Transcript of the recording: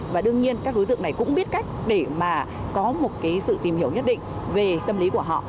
và đương nhiên các đối tượng này cũng biết cách để mà có một cái sự tìm hiểu nhất định về tâm lý của họ